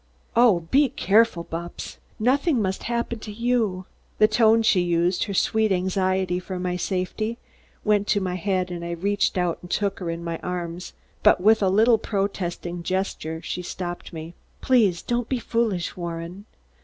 "Oh, be careful, Bupps! Nothing must happen to you!" The tone she used, her sweet anxiety for my safety, went to my head and I reached out to take her in my arms, but with a little protesting gesture she stopped me. "Please don't be foolish, Warren!"